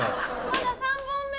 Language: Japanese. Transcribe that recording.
まだ３本目